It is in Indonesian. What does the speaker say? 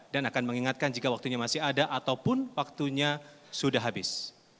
dan akan mengingatkan jika waktunya masih ada ataupun waktunya sudah habis